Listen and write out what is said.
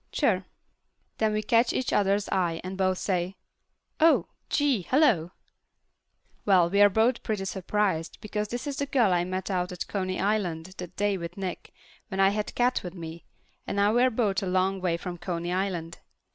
"Sure." Then we catch each other's eye and both say, "Oh. Gee, hello." Well, we're both pretty surprised, because this is the girl I met out at Coney Island that day with Nick when I had Cat with me, and now we're both a long way from Coney Island.